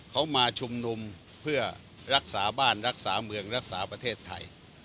เขามาชุมนุมเพื่อรักษาบ้านรักษาเมืองรักษาประเทศไทย